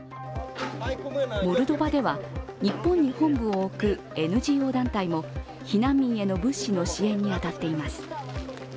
モルドバでは日本に本部を置くＮＧＯ団体も避難民への物資の支援に当たっています。